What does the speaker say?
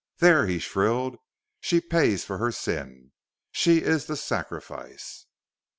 "There!" he shrilled, " she pays for her sin. She is the sacrifice!"